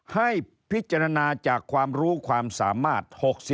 ให้พิจารณาจากความรู้ความสามารถ